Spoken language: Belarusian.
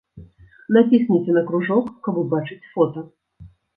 Націсніце на кружок, каб убачыць фота.